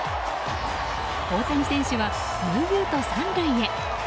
大谷選手は悠々と３塁へ。